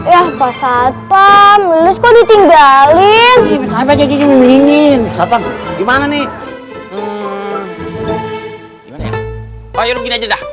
ya pak sarpam listur ditinggalin gimana nih